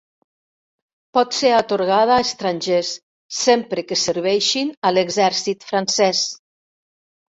Pot ser atorgada a estrangers, sempre que serveixin a l'exèrcit francès.